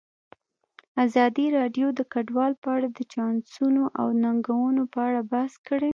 ازادي راډیو د کډوال په اړه د چانسونو او ننګونو په اړه بحث کړی.